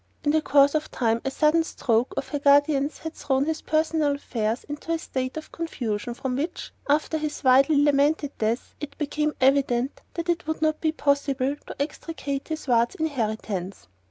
In the course of time a sudden "stroke" of the guardian's had thrown his personal affairs into a state of confusion from which after his widely lamented death it became evident that it would not be possible to extricate his ward's inheritance.